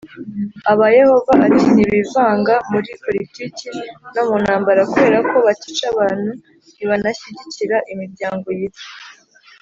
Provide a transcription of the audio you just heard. Aba Yehova ati ntibivanga muri poritiki no mu ntambara Kubera ko batica abantu ntibanashyigikira imiryango yica